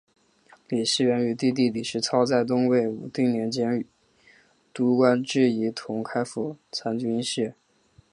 李士元与弟弟李士操在东魏武定年间都官至仪同开府参军事。